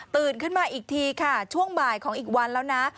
ขึ้นมาอีกทีค่ะช่วงบ่ายของอีกวันแล้วนะ